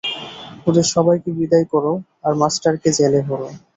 ওদের সবাইকে বিদায় করো আর মাস্টারকে জেলে ভরো।